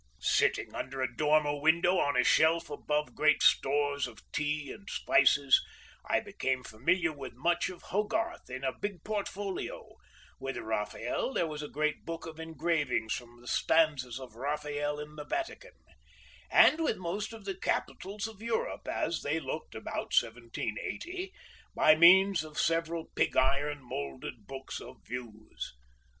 Sitting under a dormer window on a shelf above great stores of tea and spices, I became familiar with much of Hogarth in a big portfolio, with Raphael, there was a great book of engravings from the stanzas of Raphael in the Vatican—and with most of the capitals of Europe as they had looked about 1780, by means of several pig iron moulded books of views.